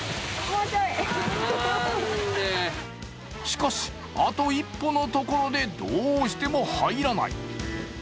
しかし、あと一歩のところでどうしても入らない。